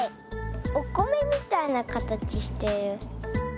おこめみたいなかたちしてる。